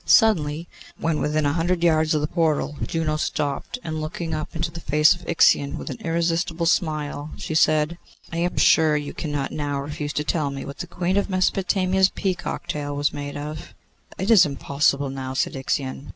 Suddenly, when within a hundred yards of the portal, Juno stopped, and looking up into the face of Ixion with an irresistible smile, she said, 'I am sure you cannot now refuse to tell me what the Queen of Mesopotamia's peacock's tail was made of!' 'It is impossible now,' said Ixion.